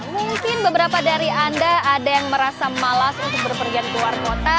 mungkin beberapa dari anda ada yang merasa malas untuk berpergian keluar kota